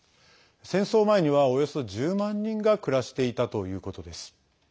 戦争前には、およそ１０万人が暮らしていたということです。